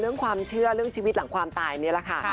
เรื่องความเชื่อเรื่องชีวิตหลังความตายนี่แหละค่ะ